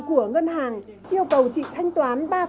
của ngân hàng yêu cầu chị thanh toán